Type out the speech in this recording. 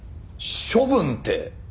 処分って。